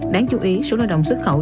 đáng chú ý số lao động xuất khẩu